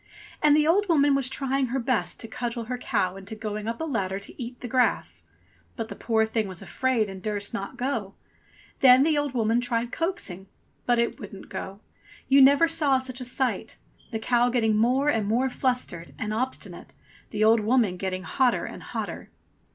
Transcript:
And the old woman was trying her best to cudgel her cow into going up a ladder to eat the grass. But the poor thing was afraid and durst not go. Then the old woman tried coaxing, but it wouldn't go. You never saw such a sight ! The cow getting more and more flustered and ob stinate, the old woman getting hotter and hotter.